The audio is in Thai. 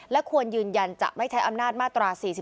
และควรยืนยันจะไม่ใช้อำนาจมาตรา๔๔